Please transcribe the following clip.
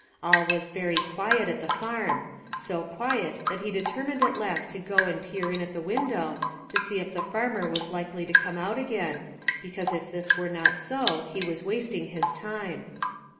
All was very quiet at the farm, so quiet that he determined at last to go and peer in at the window to see if the farmer was likely to come out again, because if this were not so he was wasting his time.